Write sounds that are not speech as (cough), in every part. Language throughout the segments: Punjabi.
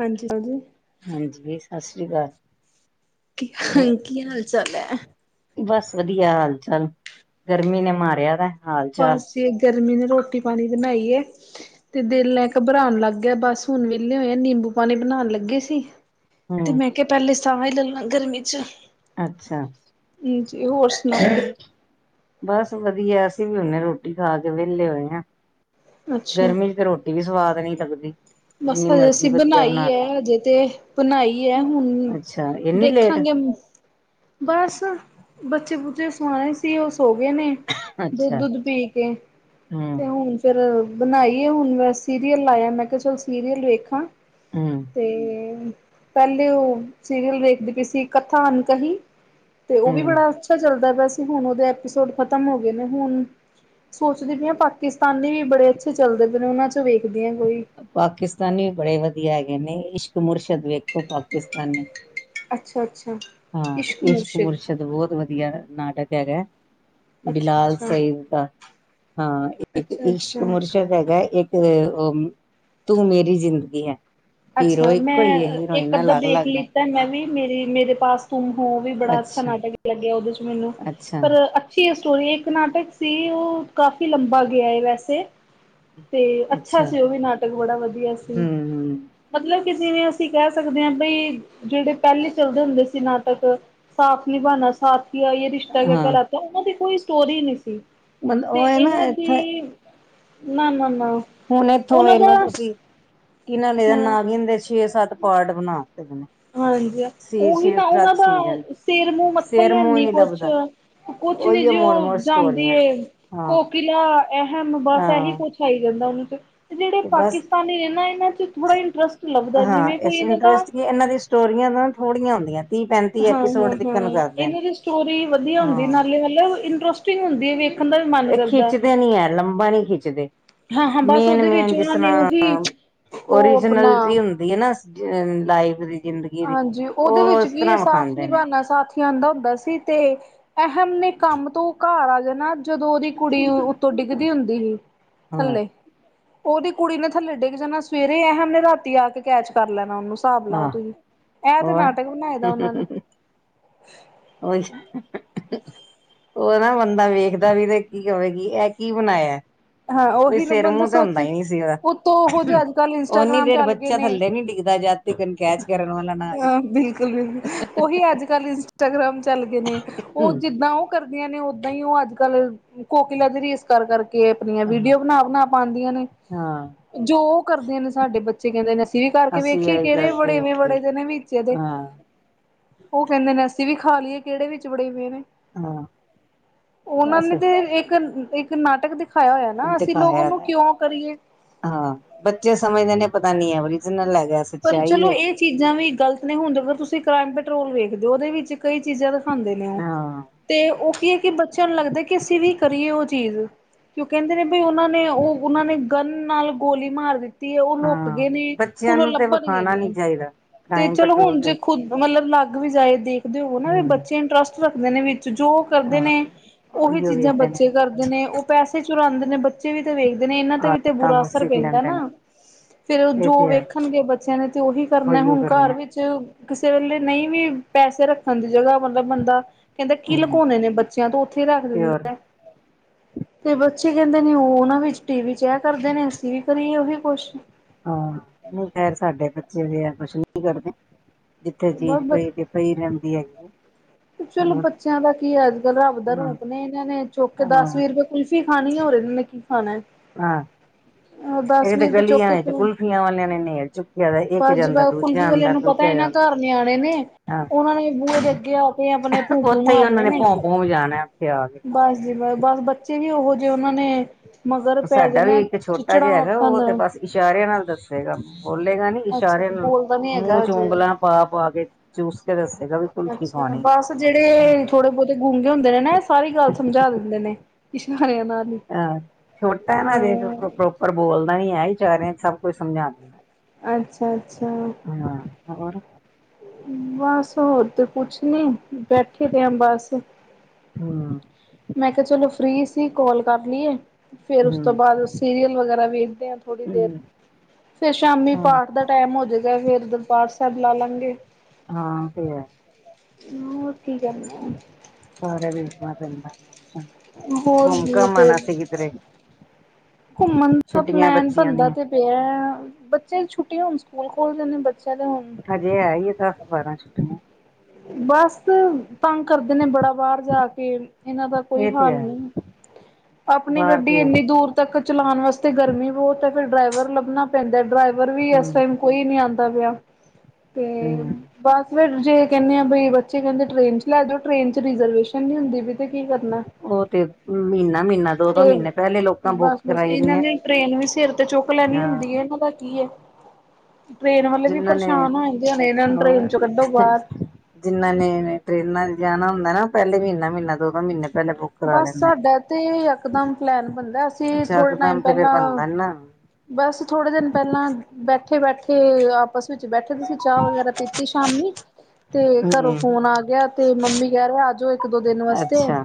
ਹਾਂਜੀ ਹਾਂਜੀ। ਸਾਸ੍ਰੀ ਅਕਾਲ। ਕੀ, ਹੁਣ ਕੀ ਹਾਲ ਚਾਲ ਐ? ਬਸ ਵਧੀਆ ਹਾਲ ਚਾਲ। ਗਰਮੀ ਨੇ ਮਾਰਿਆ ਦਾ ਏ। ਬਸ ਜੀ ਗਰਮੀ ਨੇ ਰੋਟੀ ਪਾਣੀ ਬਣਾਈ ਏ ਤੇ ਦਿਲ ਏਂ ਘਬਰਾਨ ਲੱਗ ਗਿਆ, ਬਸ ਹੁਣ ਵਿਹਲੇ ਹੋਏ ਆ, ਨਿੰਬੂ ਪਾਣੀ ਬਣਾਣ ਲੱਗੇ ਸੀ। ਤੇ ਹੂੰ, ਮੈਂ ਕਿਹਾ, ਪਹਿਲੇ ਸਾਹ ਈ ਲੈ ਲਾ ਗਰਮੀ ਚ ਅੱਛਾ। ਹਾਂਜੀ ਹੋਰ ਸੁਣਾੳ। ਬਸ ਵਧੀਆ ਅਸੀਂ ਵੀ ਹੁਨੇ ਰੋਟੀ ਖਾ ਕੇ ਵਿਹਲੇ ਹੋਏ ਆ। ਅੱਛਾ ਗਰਮੀ ਚ ਤੇ ਰੋਟੀ ਵੀ ਸਵਾਦ ਨਈ ਲੱਗਦੀ। ਬਸ ਜਿੰਨੀ ਹਜੇ ਮਰਜ਼ੀ ਅਸੀਂ ਵਧੀਆ ਬਣਾਈ ਬਣਾ ਏ ਲੋ। ਹਜੇ ਤੇ ਬਣਾਈ ਏ ਹੁਣ ਅੱਛਾ, ਇੰਨੀ ਲੇਟ ਦੇਖਾਂਗੇ ਮ ਬਸ, ਬੱਚੇ ਬੁੱਚੇ ਸੁਵਾਏ ਸੀ ਉਸ ਸੋ ਗਏ ਨੇ ਦੁੱਧ ਅੱਛਾ ਦੁੱਧ ਪੀ ਕੇ, ਹੂੰ, ਤੇ ਹੁਣ ਫੇਰ ਬਣਾਈ ਏ, ਹੁਣ ਸੀਰੀਅਲ ਲਾਇਆ ਮੈਂ ਕਿਆ ਚਲ ਸੀਰੀਅਲ ਵੇਖਾਂ ਹੂੰ, ਤੇ ਪਹਿਲੇ ਉਹ ਸੀਰੀਅਲ ਵੇਖਦੀ ਪਈ ਸੀ ਕਥਾ ਅਨ ਕਹੀ ਤੇ ਉਹ ਵੀ ਹੂੰ। ਬੜਾ ਅੱਛਾ ਚੱਲਦਾ ਪਿਆ ਸੀ, ਹੁਣ ਉਹਦੇ ਐਪੀਸੋਡ ਖਤਮ ਹੋ ਗਏ ਨੇ ਹੁਣ ਸੋਚਦੀ ਪਈ ਆ ਪਾਕਿਸਤਾਨੀ ਵੀ ਬੜੇ ਅੱਛੇ ਚੱਲਦੇ ਪਏ ਨੇ ਉਹਨਾਂ ਚੋ ਵੇਖਦੀ ਆ ਕੋਈ। ਪਾਕਿਸਤਾਨੀ ਵੀ ਬੜੇ ਵਧੀਆ ਹੈਗੇ ਨੇ, ਇਸ਼ਕ ਮੁਰਸ਼ਦ ਵੇਖੋ ਪਾਕਿਸਤਾਨੀ। ਅੱਛਾ-ਅੱਛਾ ਹਾਂ ਇਸ਼ਕ ਮੁਰਸ਼ਦ ਬਹੁਤ ਵਧੀਆ ਨਾਟਕ ਹੈਗਾ। ਬਿਲਾਲ ਅੱਛਾ-ਅੱਛਾ ਸਈਦ ਦਾ ਹਾਂ, ਇੱਕ ਇਸ਼ਕ ਅੱਛਾ-ਅੱਛਾ ਮੁਰਸ਼ਦ ਹੈਗਾ, ਇੱਕ ਤੇ ਤੂੰ ਮੇਰੀ ਜ਼ਿੰਦਗੀ ਹੈ। ਹੀਰੋ ਅੱਛਾ ਇੱਕੋ ਹੀ ਹੈ ਮੈਂ ਇੱਕ ਹੀਰੋਇਨਾਂ ਅੱਧਾ ਅਲੱਗ ਦੇਖ ਅਲੱਗ ਨੇ ਲਿੱਤਾ, ਮੈਂ ਵੀ ਮੇਰੀ ਮੇਰੇ ਪਾਸ ਤਮ ਹੋ, ਉਹ ਵੀ ਬੜਾ ਅੱਛਾ ਨਾਟਕ ਲੱਗਿਆ ਉਹਦੇ ਚ ਮੈਨੂੰ ਅੱਛਾ ਪਰ ਅੱਛੀ ਸਟੋਰੀ, ਇੱਕ ਨਾਟਕ ਸੀ ਉਹ ਕਾਫ਼ੀ ਲੰਬਾ ਗਿਆ ਐ ਵੈਸੇ ਤੇ ਅੱਛਾ ਸੀ ਉਹ ਵੀ ਨਾਟਕ ਬੜਾ ਵਧੀਆ ਸੀ, ਹਮ ਹਮ ਮਤਲਬ ਕਿ ਜਿਵੇਂ ਅਸੀਂ ਕਹਿ ਸਕਦੇ ਆ ਬਈ ਜਿਹੜੇ ਪਹਿਲੇ ਚੱਲਦੇ ਹੁੰਦੇ ਸੀ ਨਾਟਕ, ਸਾਥ ਨਿਭਾਣਾ ਸਾਥ ਕਿਆ ਯੇ ਰਿਸ਼ਤਾ ਕਿਆ ਹਾਂ ਕਹਲਾਤਾਂ ਉਹਨਾਂ ਦੀ ਕੋਈ ਸਟੋਰੀ ਨਹੀਂ ਸੀ ਮਤਲਬ ਤੇ ਉਹ ਹੈ ਨਾ ਇਹਨਾਂ ਇੱਥੇ ਦੀ ਨਾ-ਨਾ ਹੁਣ ਇੱਥੋਂ ਵੇਖਲੋ ਤੁਸੀਂ ਕਿਹਨਾਂ ਨੇ ਹਾਂ ਨਾ ਛੇ ਸੱਤ ਪਾਰਟ ਬਣਾ। (inaudible) ਹਾਂਜੀ ਸੀ ਉਹੀ ਛੇ ਨਾ ਉਹਨਾਂ ਸੱਤ ਸੀਜਨ ਦਾ ਸਿਰ ਮੂੰਹ ਮੱਥਾ ਈ ਸਿਰ ਮੂੰਹ ਹੈਨੀ ਨੀ ਲੱਭਦਾ ਕੁਛ-ਕੁਛ ਤੇ ਉਹੀ ਜੋ ਮੋੜ ਮੋੜ ਜਾਂਦੀ ਸਟੋਰੀਆਂ ਏ ਹਾਂ ਕੋਕਿਲਾ ਅਹਿਮ ਬਸ ਇਹੀ ਹਾਂ ਕੁਛ ਆਈ ਜਾਂਦਾ ਉਹਨੂੰ। ਤੇ ਜਿਹੜੇ ਤੇ ਬਸ ਪਾਕਿਸਤਾਨੀ ਨੇ ਨਾ ਇਹਨਾਂ ਚ ਥੋੜਾ ਇੰਟਰਸਟ ਲੱਭਦਾ ਹਾਂ ਜਿਵੇਂ ਕੋਈ ਇਸ ਇਹਨਾਂ ਦਾ ਇੰਟਰਸਟ ਕੀ ਇਹਨਾਂ ਦੀ ਸਟੋਰੀਆਂ ਨਾ ਥੋੜੀਆਂ ਹੁੰਦੀਆਂ। ਤੀਹ ਪੈਂਤੀ ਐਪੀਸੋਡ ਹਾਂ-ਹਾਂ-ਹਾਂ ਤਿਕਨ ਕਰਦੇ ਨੇ। ਇਹਨਾਂ ਦੀ ਸਟੋਰੀ ਵਧੀਆ ਹੁੰਦੀ ਹਾਂ ਨਾਲੇ ਮਤਲਬ ਇੰਟਰਸਟਿੰਗ ਹੁੰਦੀ ਐ ਵੀ ਮਨ ਇਹ ਕਰਦਾ ਖਿੱਚਦੇ ਨੀ ਐ ਲੰਬਾ ਨੀ ਖਿੱਚਦੇ। ਹਾਂ ਹਾਂ ਬਸ ਉਹਦੇ ਮੇਨ-ਮੇਨ ਵਿੱਚ ਜਿਸ ਉਹਨਾਂ ਨੇ ਉਹੀ ਤਰ੍ਹਾਂ ਉਹ ਆਪਣਾ ਓਰੀਜਨਲਿਟੀ ਹੁੰਦੀ ਐ ਨਾ ਲਾਈਫ ਦੀ। ਜ਼ਿੰਦਗੀ ਦੀ ਹਾਂਜੀ ਉਹਦੇ ਉਹ ਵਿੱਚ ਇਸ ਕੀ ਐ ਤਰ੍ਹਾਂ ਸਾਥ ਵਿਖਾਂਦੇ ਨੇ ਨਿਭਾਨਾ ਸਾਥੀਆਂ ਆਂਦਾ ਹੁੰਦਾ ਸੀ ਤੇ ਅਹਿਮ ਨੇ ਕੰਮ ਤੋਂ ਘਰ ਆ ਜਾਣਾ ਜਦੋਂ ਉਹਦੀ ਕੁੜੀ ਉੱਤੋਂ ਡਿੱਗਦੀ ਹੁੰਦੀ ਸੀ ਹਾਂ ਥੱਲੇ। ਉਹਦੀ ਕੁੜੀ ਨੇ ਥੱਲੇ ਡਿੱਗ ਜਾਣਾ ਸਵੇਰੇ ਅਹਿਮ ਰਾਤੀ ਆ ਕੇ ਕੈਚ ਕਰ ਲੈਣਾ ਓਨੂੰ ਹਿਸਾਬ ਲਓ ਆਹ ਤੁਸੀਂ। ਐ ਤੇ ਹੋਰ ਨਾਟਕ ਬਣਾਏ ਦਾ ਉਹਨਾਂ ਨੇ। ਉਹੀ (inaudible) ਉਹ ਨਾ ਬੰਦਾ ਵੇਖਦਾ ਵੀ ਤੇ ਕੀ ਕਵੇ ਕੀ ਐ ਕੀ ਬਣਾਇਆ? ਹਾਂ ਕੋਈ ਉਹੀ ਨਾ ਸਿਰ ਬੰਦਾ ਮੂੰਹ ਤੇ ਹੁੰਦਾ ਸੋਚ ਹੀ ਨਹੀਂ ਸੀ ਉਹਦਾ ਉਤੋਂ ਓਹੋ ਜੇ ਅੱਜ ਕੱਲ੍ਹ ਓਨੀ ਇੰਸਟਾਗ੍ਰਾਮ ਦੇਰ ਚੱਲ ਗਏ ਬੱਚਾ ਨੇ। ਥੱਲੇ ਨੀ ਡਿੱਗਦਾ ਜਦ ਤੀਕਨ ਕੈਚ ਕਰਨ ਵਾਲਾ ਨਾ ਆਜੇ ਹਾਂ ਬਿਲਕੁਲ-ਬਿਲਕੁਲ ਉਹੀ ਅੱਜ ਕੱਲ ਇੰਸਟਾਗ੍ਰਾਮ ਚੱਲ ਗਏ ਨੇ ਹੂੰ ਉਹ ਜਿੱਦਾਂ ਉਹ ਕਰਦੀਆਂ ਨੇ ਓਦਾਂ ਈ ਉਹ ਅੱਜ ਕੱਲ ਕੋਕੀਲਾ ਦੀ ਰੀਸ ਕਰ ਕਰਕੇ ਆਪਣੀਆਂ ਹਾਂ ਵੀਡੀਓ ਬਣਾ-ਬਣਾ ਪਾਂਦੀਆਂ ਨੇ। ਹਾਂ ਜੋ ਉਹ ਕਰਦੇ ਨੇ ਸਾਡੇ ਬੱਚੇ ਕਹਿੰਦੇ ਨੇ ਅਸੀਂ ਵੀ ਕਰਕੇ ਅਸੀਂ ਵੇਖੀਏ ਇਹੀ ਕਿਹੜੇ ਕਰਕੇ ਵੜੇ ਵੇਖੀਏ ਵੜੇ ਦੇ ਨੇ ਵਿਚ ਇਹਦੇ। ਹਾਂ। ਉਹ ਕਹਿੰਦੇ ਨੇ ਅਸੀ ਵੀ ਖਾ ਲਈਏ ਕਿਹੜੇ ਵਿਚ ਵੜੇਵੇਂ ਨੇ ਹਾਂ ਉਹਨਾਂ ਬਸ ਨੇ ਤੇ ਇੱਕ ਇੱਕ ਨਾਟਕ ਦੇ ਦਿਖਾਇਆ ਹਾਂ ਬੱਚੇ ਸਮਝਦੇ ਨੇ ਪਤਾ ਨੀ (inaudible) ਪਰ ਚਲੋ ਹੈਗੀ ਇਹ ਹੈ। ਚੀਜ਼ਾਂ ਵੀ ਗਲਤ ਨੇ ਹੁੰਦੀਆਂ ਤੁਸੀਂ ਕ੍ਰਾਈਮ ਪੈਟਰੋਲ ਵੇਖਦੇ ਹੋ ਉਹਦੇ ਵਿੱਚ ਕਈ ਚੀਜ਼ਾਂ ਦਾ ਦਿਖਾਂਦੇ ਨੇ ਉਹ ਹਾਂ ਤੇ ਉਹ ਕੀ ਹੈ ਕਿ ਬੱਚਿਆਂ ਨੂੰ ਲੱਗਦਾ ਕਿ ਅਸੀਂ ਵੀ ਕਰੀਏ ਉਹ ਚੀਜ਼ ਕਿਉਂਕਿ ਕਹਿੰਦੇ ਨੇ ਵੀ ਉਹਨਾਂ ਨੇ ਉਹ ਉਹਨਾਂ ਨੇ ਗਨ ਨਾਲ ਗੋਲੀ ਮਾਰ ਦਿੱਤੀ ਹੈ ਉਹ ਲੁਕ ਹਾਂ ਗਏ ਨੇ ਬੱਚਿਆਂ ਹੁਣ ਉਹ ਨੂੰ ਤੇ ਲੱਭਨ ਵਿਖਾਣਾ ਨੀ ਚਾਹੀਦਾ ਤੇ ਕ੍ਰਾਈਮ ਚਲੋ ਪੈਟਰੋਲ ਹੁਣ ਜੇ ਤੇ ਖੁੱਦ ਮਤਲਬ ਮਤਲਬ ਅਲੱਗ ਵੀ ਜਾਏ ਦੇਖਦੇ ਹੋ ਨਾ ਵੀ ਹਮ ਬੱਚੇ ਇੰਟਰਸਟ ਰੱਖਦੇ ਨੇ ਵੀ ਜੋ ਕਰਦੇ ਹਾਂ ਨੇ ਉਹੀ ਉਹੀਓ ਚੀਜ਼ਾਂ ਵੇਖਦੇ ਨੇ ਬੱਚੇ ਕਰਦੇ ਨੇ ਉਹ ਪੈਸੇ ਚੁਰਾਉਂਦੇ ਨੇ ਬੱਚੇ ਵੀ ਵੇਖਦੇ ਨੇ ਇਹਨਾਂ ਤੇ ਵੀ ਤੇ ਆਦਤਾਂ ਬੁਰਾ ਨੂੰ ਅਸਰ ਸਿੱਖ ਪੈਂਦਾ ਲੈਂਦੇ ਨਾ ਨੇ ਫੇਰ ਇਹ ਜੋ ਤੇ ਹੈ ਵੇਖਣਗੇ ਬੱਚੇ ਬੱਚਿਆਂ ਨੇ ਤੇ ਉਹੀ ਕਰਨਾ ਉਹੀਓ ਹੁਣ ਘਰ ਕਰਨਾ ਵਿੱਚ ਕਿਸੇ ਵੇਲੇ ਨਹੀਂ ਵੀ ਪੈਸੇ ਰੱਖਣ ਦੀ ਜਗ੍ਹਾ ਮਤਲਬ ਬੰਦਾ ਕਹਿੰਦਾ ਕੀ ਹਮ ਲੁਕਾਉਣੇ ਨੇ ਬੱਚਿਆਂ ਤੋਂ ਉੱਥੇ ਹੀ ਰੱਖ ਪਿਓਰ ਦਿੰਦੇ ਆ ਤੇ ਬੱਚੇ ਕਹਿੰਦੇ ਨੇ ਉਹ ਉਹਨਾਂ ਵਿੱਚ ਟੀ ਵੀ ਚ ਇਹ ਕਰਦੇ ਨੇ। ਅਸੀਂ ਵੀ ਕਰੀਏ ਉਹੀ ਕੁਛ। ਹਾਂ ਨਹੀਂ ਖੈਰ ਸਾਡੇ ਬੱਚੇ ਜ ਆ ਕੁਛ ਨੀ ਕਰਦੇ। ਜਿੱਥੇ ਚੀਜ਼ ਪਈ ਪਈ ਰਹਿੰਦੀ ਹੈਗੀ ਏ। ਤੇ ਚਲੋ ਬੱਚਿਆਂ ਦਾ ਕੀ ਹੈ। ਅੱਜ ਕੱਲ ਰੱਬ ਦਾ ਹਾਂ ਰੂਪ ਨੇ। ਇਹਨਾਂ ਨੇ ਚੁੱਕ ਹਾਂ ਦਸ ਵੀਹ ਰੁਪਏ ਕੁਲਫੀ ਖਾਣੀ ਉਹ ਓਨਾ ਨੇ ਕੀ ਖਾਣਾ ਏ? ਹਾਂ ਦਸ ਇਹ ਤੇ ਵੀਅ ਗਲੀਆਂ ਚੋਕੇ ਵਿੱਚ ਕੁਲਫੀਆਂ ਵਾਲਿਆਂ ਨੇ ਨੇਲ ਚੁੱਕਿਆ ਦਾ ਇੱਕ ਬਸ ਜ ਜਾਂਦਾ ਦੂਜਾ ਕੁਲਫੀ ਵਾਲੇ ਆਂਦਾ ਨੂੰ ਪਤਾ ਦੂਜਾ ਜਿਨਾ ਜਾਂਦਾ ਘਰ ਨਿਆਣੇ ਨੇ ਹਾਂ ਉਹਨਾਂ ਨੇ ਬੂਹੇ ਦੇ ਅੱਗੇ ਆ ਕੇ ਓਨਾ ਭੂ-ਭੂ ਉੱਥੇ ਹੀ ਉਹਨਾਂ ਮਾਰਨੇ ਨੇ। ਭੋਂ ਭੋਂ ਜਾਣਾ ਉੱਥੇ ਆ ਕੇ ਬਸ ਜੀ ਬਸ-ਬਸ ਬੱਚੇ ਵੀ ਉਹੋ ਜਿਹੇ ਉਹਨਾਂ ਨੇ ਮਗਰ ਪੈ ਸਾਡਾ ਵੀ ਜਾਣਾ ਇੱਕ ਛੋਟਾ ਚਿਚੜਾਂ ਜਿਹਾ ਹੈਗਾ। ਆਕਣ ਉਹ ਤੇ ਬਸ ਇਸ਼ਾਰਿਆਂ ਨਾਲ ਦੱਸੇਗਾ ਬੋਲੇਗਾ ਨੀ ਅੱਛਾ ਚਾਰੇ ਜੀ ਨੂੰ ਬੋਲਦਾ ਨੀ ਮੂੰਹ ਹੈਗਾ ਚ ਹਜੇ ਉਂਗਲਾਂ ਪਾ, ਪਾ ਕੇ ਚੂਸ ਕੇ ਦੱਸ ਅੱਛਾ। ਬਸ ਜਿਹੜੇ ਥੋੜੇ ਬਹੁਤੇ ਗੂੰਗੇ ਹੁੰਦੇ ਨੇ ਨਾ ਇਹ ਸਾਰੀ ਗੱਲ ਸਮਝਾ ਦਿੰਦੇ ਨੇ। ਇਸ਼ਾਰਿਆਂ ਨਾਲ ਹੀ ਅਹ ਛੋਟਤਾ ਨਾ ਅਜੇ ਅ ਪ੍ਰੋਪਰ ਬੋਲਦਾ ਨੀ ਹੈ ਹੀ ਚਇਰਿਆਂ ਸਭ ਕੁਝ ਸਮਝਾ ਦਿੰਦਾ। ਅੱਛਾ। ਅੱਛਾ ਹਾਂ ਹੋਰ ਬਸ ਹੋਰ ਤੇ ਕੁਛ ਨੀ ਬੈਠੇ ਰ ਆ ਬਸ? ਹੂੰ। ਮੈਂ ਕਿਹਾ ਚਲੋ ਫ੍ਰਰੀ ਸੀ ਕੋਲ ਕਰ ਲਈਏ। ਫੇਰ ਉਸ ਤੋਂ ਹੂੰ ਬਾਅਦ ਸੀਰੀਅਲ ਵਗੈਰਾ ਵੀ ਥੋੜ੍ਹੀ ਦੇਰ ਹੂੰ ਫੇਰ ਸ਼ਾਮੀ ਹਾਂ ਪਾਠ ਦਾ ਟੈਮ ਹੋਜਗਾ। ਫਿਰ ਦਰਬਾਰ ਸਾਹਿਬ ਲਾ ਲਾਂਗੇ। ਹਾਂ ਤੇ। ਹ ਕੀ ਕਰ (inaudible) ਸਾਰਾ ਵੇਖਣਾ ਪੈਂਦਾ ਘੁੰਮ, ਘੁੰਮ ਫੇਰ ਆਨਾ ਸੀ ਕਿਧਰੇ। ਘੁੰਮਣ ਦਾ ਛੁੱਟੀਆਂ ਪਲੈਨ ਬੱਚਿਆਂ ਬੰਣਦਾ ਦੀਆਂ ਤੇ ਪਿਆ ਬੱਚੇ ਛੁੱਟੀਆਂ ਹੁਣ ਸਕੂਲ ਖੋਲ ਜਣੇ ਨੇ। ਬੱਚਿਆਂ ਦੇ ਹੁਣ ਜੇ ਹੈ ਹੀ ਆ ਦਸ ਬਾਰਾਂ ਛੁੱਟੀਆਂ। ਬਸ। ਤੰਗ ਕਰਦੇ ਨੇ ਬੜਾ ਬਾਅਰ ਜਾ ਕੇ ਇਹਨਾਂ ਦਾ ਕੋਈ ਇਹ ਤੇ ਹਾਲ ਹੈ ਨੀ। ਆਪਣੀ ਬਾਹਰ ਗੱਡੀ ਤੇ ਇੰਨੀ ਦੂਰ ਤੱਕ ਚਲਾਉਣ ਵਾਸਤੇ ਗਰਮੀ ਬੋਤ ਐ। ਫਿਰ ਡਰਾਈਵਰ ਲੱਭਣਾ ਪੈਂਦਾ। ਡਰਾਈਵਰ ਵੀ ਹੂੰ ਇਸ ਟਾਈਮ ਕੋਈ ਨੀ ਆਦਾ ਪਿਆ। ਤੇ ਹੂੰ ਬਸ ਫਿਰ ਜੇ ਕਹਿੰਦੇ ਆ ਬਈ ਬੱਚੇ ਕਹਿੰਦੇ ਟ੍ਰੇਨ ਚ ਲੈ ਜਾਓ। ਟ੍ਰੇਨ ਚ ਰਿਜਰਵੇਸ਼ਨ ਨ ਹੁੰਦੀ ਬ ਤੇ ਕੀ ਕਰਨਾ। ਉਹ ਤੇ ਮਹੀਨਾ ਮਹੀਨਾ ਦੋ ਦੋ ਤੇ ਮਹੀਨੇ ਪਹਿਲੇ ਲੋਕਾਂ ਬਸ, ਬੁੱਕ ਬਸ ਕਰਾਈ ਇਹਨਾਂ ਦੀਆਂ ਨੇ ਟ੍ਰੇਨ ਵੀ ਸਿਰ ਤੇ ਚੁੱਕ ਲਿਆ ਲੈਣੀ ਹਾਂ ਹੁੰਦੀ ਇਹਨਾਂ ਦਾ ਕੀ ਐ। ਜਿੰਨ੍ਹਾਂ ਨੇ ਹੋ ਜਾਂਦੇ ਹੋਣੇ ਇਹਨਾਂ ਨੂੰ ਟ੍ਰੇਨ ਹੋਰ ਚੋਂ ਕੱਢੋ ਬਾਹਰ। ਜਿੰਨ੍ਹਾਂ ਨੇ ਟਰੇਨਾਂ ਜਾਣਾ ਹੁੰਦਾ ਨਾ ਪਹਿਲੇ ਮਹੀਨਾ- ਮਹੀਨਾ ਦੋ- ਦੋ ਮਹੀਨੇ ਪਹਿਲੇ ਬੁੱਕ ਕਰਾ ਬਸ ਲੈਂਦੇ ਸਾਡਾ ਤੇ ਇਕਦਮ ਪਲੈਨ ਬਣਦਾ ਅਸੀਂ ਥੋੜਾ ਟਾਈਮ ਯਕਦਮ ਤੇ ਫੇਰ ਪਹਿਲਾਂ ਬਣਦਾ ਨੀ ਨਾ ਬਸ ਥੋੜੇ ਦਿਨ ਪਹਿਲਾਂ ਬੈਠੇ- ਬੈਠੇ ਆਪ ਸ ਵਿੱਚ ਬੈਠੇ ਤੁਸੀਂ ਚਾਹ ਵਗੈਰਾ ਪੀਤੀ ਸ਼ਾਮੀ ਤੇ ਘਰੋਂ ਹੂੰ ਫੋਨ ਆ ਗਿਆ ਤੇ ਮੰਮੀ ਕਹਿ ਆ ਜਾਓ ਇੱਕ ਦੋ ਦਿਨ ਵਾਸਤੇ ਅੱਛਾ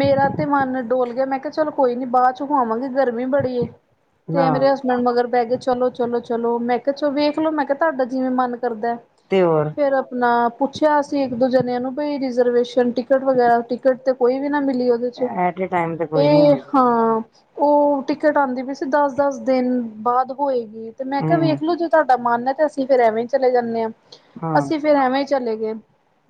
ਮੇਰਾ ਤੇ ਮਨ ਡੋਲ ਮੈਂ ਕਿਹਾ ਚਲ ਕੋਈ ਨੀ ਬਾਅਦ 'ਚ ਖਵਾਵਾਂਗੇ ਗਰਮੀ ਬੜੀ ਏ। ਤੇ ਹਾਂ ਮੇਰੇ ਹਸਬੈਂਡ ਮਗਰ ਬਹਿ ਗਏ ਚਲੋ- ਚਲੋ -ਚਲੋ ਮੈਂ ਕਿਹਾ ਚ ਵੇਖਲੋ ਮੈਂ ਕਿਹਾ ਤੁਹਾਡਾ ਜਿਵੇਂ ਮਨ ਕਰਦਾ ਤੇ ਹੋਰ ਫੇਰ ਆਪਣਾ ਪੁੱਛਿਆ ਸੀ ਇੱਕ ਦੂਜਨ ਨੂੰ ਬ ਰੀਜਰਵੈਂਸ਼ ਟਿਕਟ ਵਗੈਰਾ ਟਿਕਟ ਤੇ ਕੋਈ ਵੀ ਨਾ ਮਿਲੀ ਉਹਦੇ 'ਚ ਐਟ ਏ ਟਾਈਮ ਤੇ ਕੋਈ ਨੀ ਇਹ ਹੁੰਦੀ ਹਾਂ। ਉਹ ਟਿਕਟ ਆਉਂਦੀ ਵੀ ਸੀ ਦਸ -ਦਸ ਦਿਨ ਬਾਅਦ ਹੋਏਗੀ। ਤੇ ਮੈਂ ਕਿਹਾ ਹੂੰ ਵੇਖਲੋ ਜੋੇ ਤੁਹਾਡਾਨ ਹੈ ਤੇ ਅਸੀਂ ਫੇਰ ਐਵੇਂ ਚਲੇ ਜਾਂਦੇ ਆਂ। ਹਾਂ ਅਸੀਂ ਫਿਰ ਐਵੇਂ ਚਲੇ ਗਏ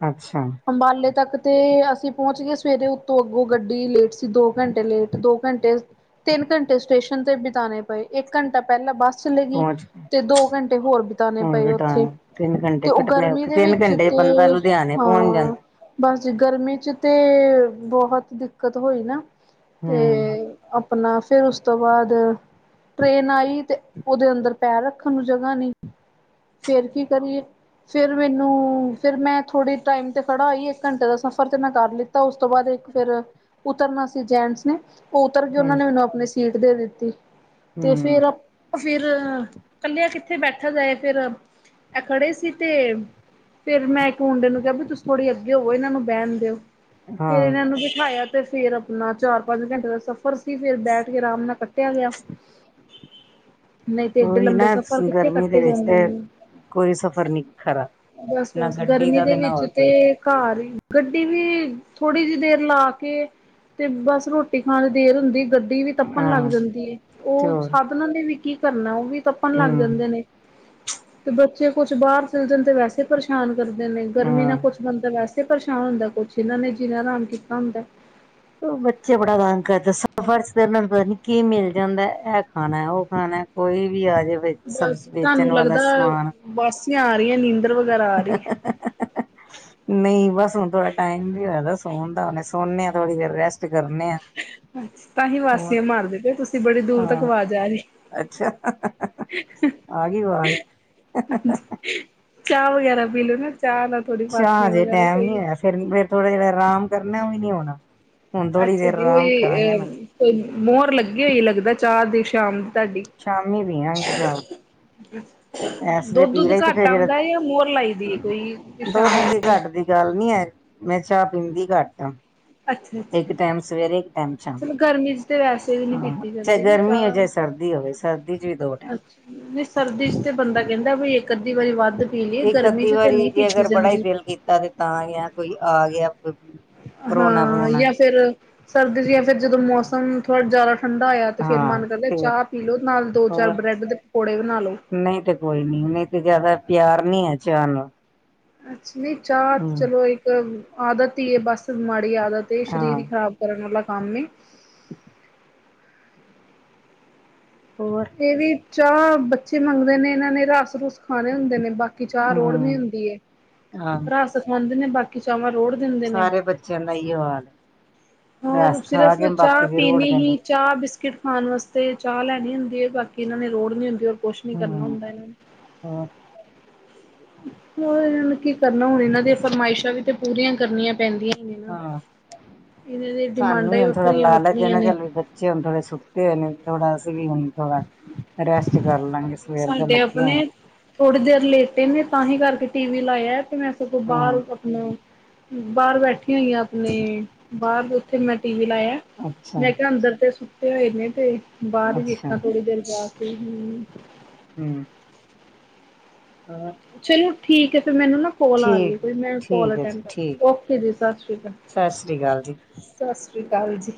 ਅੱਛਾ ਅੰਬਾਲੇ ਤੱਕ ਤੇ ਅਸੀਂ ਪਹੁੰਚ ਗਏ ਸਵੇਰੇ ਉੱਤੋਂ ਅੱਗੋਂ ਗੱਡੀ ਲੇਟ ਸੀ। ਦੋ ਘੰਟੇ ਲੇਟ ਦੋ ਘੰਟੇ ਤਿੰਨ ਘੰਟੇ ਸਟੇਸ਼ਨ ਤੇ ਬਿਤਾਣੇ ਪਏ ਇੱਕ ਘੰਟਾ ਪਹਿਲਾਂ ਬੱਸ ਚਲੇ ਗਈ ਪਹੁੰਚ ਤੇ ਦੋ ਘੰਟੇ ਹੋਰ ਬਿਤਾਨਣੇ ਹੁਣ ਪਏ ਬੇਟਾ ਉੱਥੇ ਤਿੰਨ ਤੇ ਘੰਟੇ ਉਹ ਕੱਟਣੇ ਗਰਮੀ ਔਖੇ ਦੇ ਤਿੰਨ ਵਿੱਚ ਤੇ ਘੰਟੇ ਚ ਤੇ ਬੰਦਾ ਲੁਧਿਆਣੇ ਪਹੁੰਚ ਹਾਂ ਜਾਂਦਾ ਬਸ ਜ ਗਰਮੀ 'ਚ ਤਾਂ ਬਹੁਤ ਦਿੱਕਤ ਹੋਈ ਨਾ ਤੇ ਹੂੰ ਆਪਣਾ ਫੇਰ ਉਸ ਤੋਂ ਬਾਅਦ ਟ੍ਰੇਨ ਆਈ ਤੇ ਉਹਦੇ ਅੰਦਰ ਪੈਰ ਰੱਖਣ ਨੂੰ ਜਗ੍ਹਾ ਨਹੀਂ। ਫੇਰ ਕੀ ਕਰੀਏ। ਫੇਰ ਮੈਨੂੰ ਫੇਰ ਮੈਂ ਥੋੜੇ ਟਾਈਮ ਤੇ ਖੜਾ ਆਈ ਇੱਕ ਘੰਟੇ ਦਾ ਸਫ਼ਰ ਤੇ ਮੈਂ ਕਰ ਲਿੱਤਾ ਉਸ ਤੋਂ ਬਾਅਦ ਫੇਰ ਉਤਰਨਾ ਸੀ ਜੈਂਟਸ ਨੇ ਉਤਰ ਕੇ ਉਹਨਾਂ ਹੂੰ ਨੇ ਮੈਨੂੰ ਆਪਣੀ ਸੀਟ ਦੇ ਦਿੱਤੀ ਤੇ ਹੂੰ ਫੇਰ ਫਿਰ ਕੱਲਿਆ ਕਿੱਥੇ ਬੈਠਾ ਜਾਏ ਫਿਰ ਇਹ ਖੜੇ ਸੀ ਤੇ ਫਿਰ ਮੈਂ ਇੱਕ ਮੁੰਡੇ ਨੂੰ ਕਿਹਾ ਵੀ ਤੁਸੀ ਥੋੜ੍ਹੀ ਅੱਗੇ ਹੋਵੋ ਇਹਨਾਂ ਨੂੰ ਬਹਿਣ ਦਿਓ। ਫੇਰ ਹਾਂ ਇਹਨਾ ਨੂੰ ਬਠਾਇਆ ਤੇ ਫੇਰ ਆਪਣਾ ਚਾਰ ਪੰਜ ਘੰਟੇ ਦਾ ਸਫ਼ਰ ਫਿਰ ਬੈਠ ਕੇ ਆਰਾਮ ਨਾਲ ਕੱਟਿਆ ਗਿਆ। ਨਹੀਂ ਤੇ ਏਡੇ ਉਹੀ ਲੰਬੇ ਨਾ ਸਫ਼ਰ ਕਿੱਥੇ ਗਰਮੀ ਕੱਟੇ ਦੇ ਵਿੱਚ ਤੇ ਜਾਂਦੇ ਨੇ। ਕੋਈ ਸਫ਼ਰ ਨੀ ਖਰਾ ਨਾ ਬਸ-ਬਸ ਗੱਡੀ ਗਰਮੀ ਦਾ ਦੇ ਨਾ ਵਿੱਚ ਹੋਰ ਤੇ ਕੋਈ ਘਰ ਹੀ ਗੱਡੀ ਵੀ ਥੋੜ੍ਹੀ ਜਿਹੀ ਦੇਰ ਲਾ ਕੇ ਤੇ ਬਸ ਰੋਟੀ ਖਾਣ ਦੇਰ ਹੁੰਦੀ ਗੱਡੀ ਵੀ ਤੱਪਣ ਲੱਗ ਹਾਂ ਜਾਂਦੀ ਹੈ ਤੇ ਉਹ ਹੋਰ ਸਾਧਨਾਂ ਨੇ ਵੀ ਕੀ ਕਰਨਾ ਉਹ ਵੀ ਤੱਪਣ ਲੱਗ ਹੂੰ ਜਾਂਦੇ ਨੇ। ਤੇ ਬੱਚੇ ਕੁਛ ਬਾਹਰ ਚਲ ਜਾਣ ਤੇ ਵੈਸੇ ਪਰੇਸ਼ਾਨ ਕਰਦੇ ਨੇ ਗਰਮੀ ਨਾਲ ਹਾਂ ਕੁਛ ਬੰਦਾ ਵੈਸੇ ਪਰੇਸ਼ਾਨ ਹੁੰਦਾ ਕੁਛ ਇਹਨਾਂ ਨੇ ਜਿਨਾ ਆਰਾਮ ਕੀਤਾ ਹੁੰਦਾ। ਤੇਰੇ ਨਾਲ ਪਤਾ ਨੀ ਕੀ ਮਿਲ ਜਾਂਦਾ ਇਹ ਖਾਣਾ ਉਹ ਖਾਣਾ ਕੋਈ ਵੀ ਆ ਜਾਵੇ ਸਬ ਵੇਚਣ ਵਾਲਾ ਸਮਾਨ ਤੇ ਆ ਰਹੀਆਂ ਨੀਂਦਰ ਵ (inaudible) ਨਹੀਂ ਬਸ ਹੁਣ ਥੋੜਾ ਟਾਈਮ ਵੀ ਹੋਇਆਦਾ ਸਕੂ ਸੋਣਦਾ ਹੁਣੇ ਸੋਨੇ ਥੜ੍ਹੀ ਦੇਰ ਰੈਸਟ ਕਰਨੇ ਆ। ਤਾਂ ਹੀ ਹੋਰ ਵਾਸੀਆਂ ਮਾਰਦੇ ਪਏ ਤੁਸੀਂ ਬੜੀ ਦੂਰ ਤੱਕ ਹਾਂ ਆਵਾਜ਼ ਆ ਰਹੀ। ਅੱਛਾ ਆ ਗਈ ਵਾਜ ਹਾਂਜੀ ਚਾਹ ਵਗੈਰਾ ਪੀ ਲੋ ਨਾ ਚਾਹ ਨਾਲ ਥੋੜੀ ਅੱਛਾ ਵਸੀਆਂ ਹਜੇ ਵਗੈਰਾ ਟੈਮ ਨੀ ਸਹੀ ਹੋਇਆ ਫਿਰ ਫਿਰ ਥੋੜਾ ਜਿੜਾ ਆਰਾਮ ਕਰਨਾ ਉਹ ਵੀ ਨਹੀਂ ਹੋਣਾ। ਹੁਣ ਥੋੜ੍ਹੀ ਅੱਛਾ ਦੇਰ ਜੀ ਆਰਾਮ ਉਹੀ ਕਰਾਂਗੇ ਨਾ ਅਹ ਮੋਹਰ ਲੱਗੇ ਹੋਈ ਲੱਗਦਾ ਚਾਹ ਦੀ ਸ਼ਾਮ ਤੁਹਾਡੀ ਸ਼ਾਮੀ ਪੀਆਂਗੇ ਚਾਹ ਇਸ ਵੇਲੇ ਪੀ ਦੁੱਧ-ਦੁੱਧ ਲਈ ਤੇ ਘੱਟ ਫਿਰ ਜਿਹੜਾ ਆਉਂਦਾ ਜਾਂ ਮੋਹਰ ਲਾਈ ਦੀ ਹੈ ਕੋਈ ਦੁੱਧ ਕਿਸਾਨ ਦੀ ਨੂੰ ਘੱਟ ਦੀ ਗੱਲ ਨੀ ਹੈ ਮੈਂ ਚਾਹ ਪੀਂਦੀ ਘੱਟ ਆਂ। ਅੱਛਾ ਅੱਛਾ ਇੱਕ ਟਾਈਮ ਸਵੇਰੇ ਇੱਕ ਟਾਈਮ ਸ਼ਾਮ ਚਲੋ ਗਰਮੀ ਚ ਤੇ ਵੈਸੇ ਵੀ ਨੀ ਪੀਤੀ ਚਾਹੇ ਜਾਂਦੀ ਨਾ ਗਰਮੀ ਹੋ ਚਾਹ ਜਾ ਸਰਦੀ ਹੋਵੇ, ਸਰਦੀ ਚ ਵੀ ਦੋ ਅੱਛਾ ਨਹੀਂ ਸਰਦੀ ਚ ਟਾਈਮ। ਬੰਦਾ ਕਹਿੰਦਾ ਵੀ ਇੱਕ ਅੱਧੀ ਵਾਰੀ ਵੱਧ ਪੀ ਲਈਏ ਇੱਕ ਗਰਮੀ ਅੱਧੀ ਚ ਤੇ ਵਾਰੀ ਨਹੀਂ ਜੇ ਪੀਤੀ ਅਗਰ ਬੜਾ ਹੀ ਜਾਂਦੀ ਦਿਲ ਕੀਤਾ ਤੇ ਤਾਂ ਗਿਆ ਕੋਈ ਆ ਗਿਆ (unintelligible) ਪਰੋਣਾ ਹਾਂ ਪਰੋਣਾ ਜਾਂ ਫੇਰ ਸਰਦੀ ਚ ਜਾਂ ਫੇਰ ਜਦੋਂ ਮੌਸਮ ਥੋੜਾ ਜਿਆਦਾ। ਠੰਡਾ ਆਇਆ ਤੇ ਫਿਰ ਹਾਂ ਮਨ ਕਰਦਾ ਹੈ ਫੇਰ ਚਾਹ ਪੀ ਲਓ। ਨਾਲ ਦੋ ਚਾਰ ਹੋਰ ਬ੍ਰੈਡ ਦੇ ਪਕੌੜੇ ਬਣਾ ਲਓ। ਮੈਨੂੰ ਤੇ ਜ਼ਿਆਦਾ ਪਿਆਰ ਨੀ ਹੈ। ਚਾਹ ਨੂੰ (inaudible) ਚਾਹ ਚਲੋ ਇੱਕ ਆਦਤ ਹੀ ਹੈ ਬਸ ਮਾੜੀ ਆਦਤ ਹੈ ਸ਼ਰੀਰ ਹਾਂ ਹੀ ਖ਼ਰਾਬ ਕਰਨ ਵਾਲਾ (unintelligible) ਹੋਰ ਇਹ ਵੀ ਚਾਹ ਬੱਚੇ ਮੰਗਦੇ ਨੇ, ਇਹਨਾਂ ਨੇ ਰੱਸ-ਰੁੱਸ ਖਾਣੇ ਹੁੰਦੇ ਨੇ ਬਾਕੀ ਚਾਹ ਰੋੜਨੀ ਹੂੰ ਹੁੰਦੀ ਹੈ। ਹਾਂ ਰੱਸ ਖਵਾਉਂਦੇ ਨੇ ਬਾਕੀ ਚਾਹਵਾਂ ਸਾਰੇ ਬੱਚਿਆਂ ਦਾ ਇਹੀ ਹਾਲ ਹੈ। ਹੋਰ ਰਸ ਖਾ ਸਿਰਫ਼ ਕੇ ਚਾਹ ਬਾਕੀ ਦੀ ਪੀਣੀ ਰੋੜਦੇ ਨੇ ਹੀ ਚਾਹ। ਬਿਸਕਿਟ ਖਾਣ ਵਾਸਤੇ ਚਾਹ ਲੈਣੀ ਹੁੰਦੀ ਹੈ। ਬਾਕੀ ਇਹਨਾਂ ਨੇ ਰੋੜਨੀ ਹੁੰਦੀ ਹੈ ਕੁਛ ਨੀ ਕਰਨਾ ਹੂੰ ਹੁੰਦਾ ਇਹਨਾਂ ਨੇ। ਹੋਰ ਹੋਰ ਇਹਨਾਂ ਨੇ ਕੀ ਕਰਨਾ ਹੁਣ ਇਹਨਾਂ ਦੀਆਂ ਫਰਮਾਇਸ਼ਾਂ ਵੀ ਤੇ ਪੂਰੀਆਂ ਕਰਨੀਆਂ ਪੈਂਦੀਆਂ ਹੀ ਨੇ ਨਾ। ਹਾਂ ਇਹਨਾਂ ਦੀ ਸਾਨੂੰ ਡਿਮਾਂਡਾਂ ਵੀ ਹੀ ਹੁਣ ਥੋੜਾ ਲਾਲਚ ਹੈ ਵੱਖਰੀਆਂ-ਵੱਖਰੀਆਂ ਨਾ ਨੇ। ਚੱਲ ਨਹੀਂ ਹੁਣ ਥੋੜਾ। ਰੈਸਟ ਕਰ ਲਾਂਗੇ ਸਵੇਰ ਦੇ ਸਾਡੇ ਲੱਗੇ ਹੋਏ ਆਪਣੇ ਥੋੜੀ ਦੇਰ ਲੇਟੇ ਨੇ ਤਾਂ ਹੀ ਕਰਕੇ ਟੀ ਵੀ। ਲਾਇਆ ਤੇ ਮੈਂ ਸਗੋਂ ਹਾਂ ਬਾਹਰ ਆਪਣਾ, ਬਾਹਰ ਬੈਠੀ ਹੋਈ ਹਾਂ ਆਪਣੇ ਬਾਹਰ ਉੱਥੇ ਮੈਂ ਟੀ ਵੀ ਲਾਇਆ। ਅੱਛਾ ਮੈਂ ਕਿਹਾ ਅੰਦਰ ਤੇ ਸੁਤੇ ਹੋਏ ਨੇ ਤੇ ਬਾਹਰ ਹੀ ਅੱਛਾ ਘਰ ਜਾ ਕੇ ਹਮ। ਹੂੰ ਹੋਰ ਚਲੋ ਠੀਕ ਹੈ। ਤੇ ਮੈਨੂੰ ਨਾ ਕੋਲ ਆ ਰਹੀ ਹੈ ਠੀਕ ਕੋਈ ਤੇ ਮੈਂ ਕੌਲ ਠੀਕ ਹੈ ਅਟੈਂਡ ਜੀ ਠੀਕ ਕਰਲਾ, ਓਕੇ ਜੀ ਸਤਿ ਸ਼੍ਰੀ ਅਕਾਲ। ਹੈਲੋ ਜੀ। (inaudible) ਸ਼੍ਰੀ ਅਕਾਲ ਜੀ।